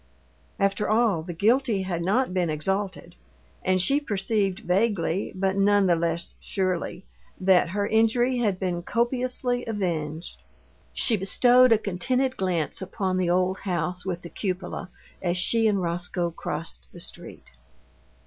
After all, the guilty had not been exalted; and she perceived vaguely, but none the less surely, that her injury had been copiously avenged. She bestowed a contented glance upon the old house with the cupola, as she and Roscoe crossed the street.